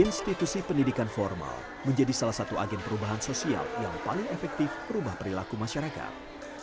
institusi pendidikan formal menjadi salah satu agen perubahan sosial yang paling efektif merubah perilaku masyarakat